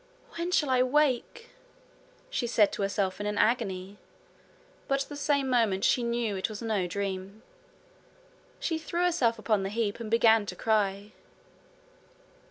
'When shall I wake?' she said to herself in an agony, but the same moment knew that it was no dream. She threw herself upon the heap, and began to cry.